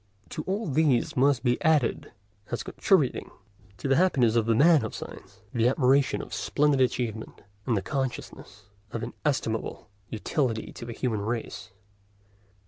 To all these must be added, as contributing to the happiness of the man of science, the admiration of splendid achievement, and the consciousness of inestimable utility to the human race.